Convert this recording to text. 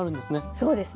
そうですね。